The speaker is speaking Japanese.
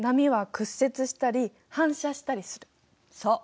そう。